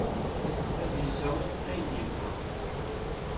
Ad yesɛu ayen yebɣa.